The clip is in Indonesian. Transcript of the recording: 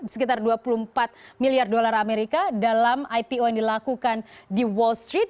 sekitar dua puluh empat miliar dolar amerika dalam ipo yang dilakukan di wall street